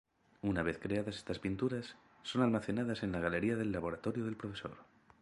Una vez creadas estas pinturas, son almacenadas en la galería del laboratorio del Profesor.